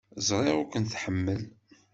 Ẓriɣ ur ken-tḥemmel.